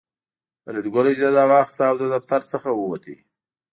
فریدګل اجازه واخیسته او له دفتر څخه ووت